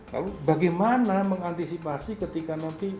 lalu bagaimana mengantisipasi ketika nanti